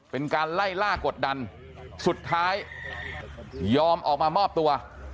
เป็นการไล่ล่ากดดันสุดท้ายยอมออกมามอบตัว